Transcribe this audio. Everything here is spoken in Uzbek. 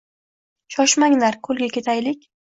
— Shoshmanglar, koʼlga yetaylik.